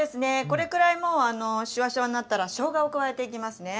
これくらいもうあのシワシワになったらしょうがを加えていきますね。